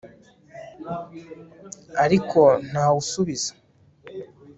ariko ntawe usubiza